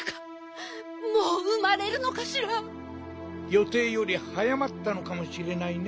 よていよりはやまったのかもしれないね。